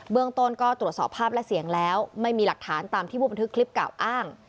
เมืองต้นก็ตรวจสอบภาพและเสียงแล้วไม่มีหลักฐานตามที่ผู้บันทึกคลิปกล่าวอ้าง